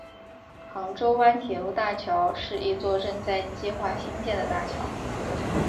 杭州湾铁路大桥是一座正在计划兴建的大桥。